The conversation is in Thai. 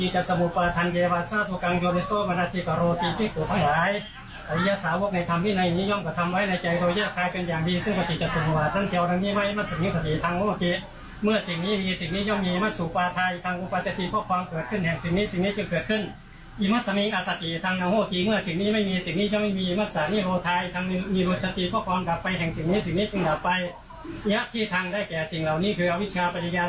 จำแม่นเนอะ